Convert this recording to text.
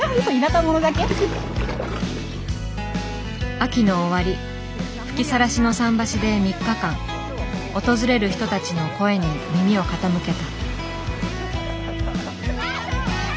秋の終わり吹きさらしの桟橋で３日間訪れる人たちの声に耳を傾けた。